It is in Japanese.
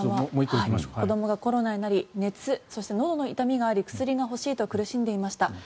子どもがコロナになりそして熱、のどの痛みがあり薬が欲しいと苦しんでいました。